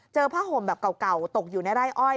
ผ้าห่มแบบเก่าตกอยู่ในไร่อ้อย